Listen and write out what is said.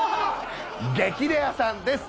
『激レアさん』です。